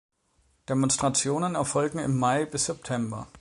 Demonstrationen erfolgen im Mai–September.